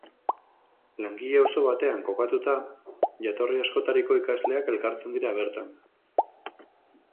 Langile auzo batean kokatuta, jatorri askotariko ikasleak elkartzen dira bertan.